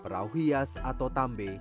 rauhias atau tambe